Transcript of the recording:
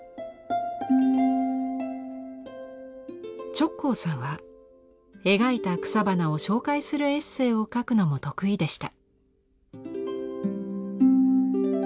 直行さんは描いた草花を紹介するエッセーを書くのも得意でした。